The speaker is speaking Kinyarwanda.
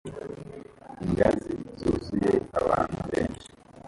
Ingazi zuzuye abantu benshi